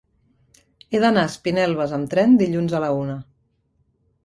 He d'anar a Espinelves amb tren dilluns a la una.